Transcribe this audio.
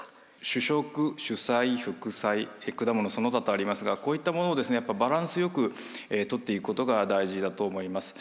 主食主菜副菜果物・その他とありますがこういったものをバランスよくとっていくことが大事だと思います。